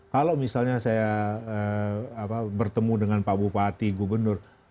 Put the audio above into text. kalau misalnya saya bertemu dengan pak bupati gubernur